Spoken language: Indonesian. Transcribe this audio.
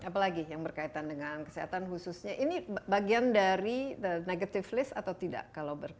apalagi ya berkaitan dengan kesehatan khususnya ini bagian dari negativest atau tidak kalau berpikir